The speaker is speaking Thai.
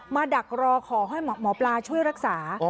ดักรอขอให้หมอปลาช่วยรักษา